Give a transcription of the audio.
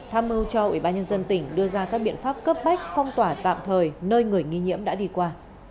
tham mưu cho ủy ban nhân dân tỉnh đưa ra các biện pháp cấp bách phong tỏa tạm thời nơi người nghi nhiễm đã đi qua